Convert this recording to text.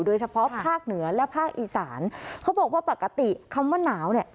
โดยเฉพาะภาคเหนือและภาคอีสานเขาบอกว่าปกติคำว่าหนาวเนี่ย